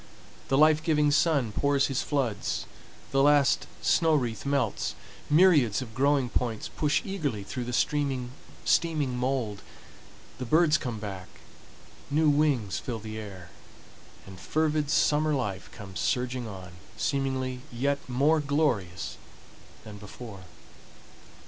The life giving sun pours his floods, the last snow wreath melts, myriads of growing points push eagerly through the steaming mold, the birds come back, new wings fill the air, and fervid summer life comes surging on, seemingly yet more glorious than before.